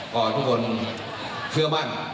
ก่อนทุกคนเชื่อมั่ง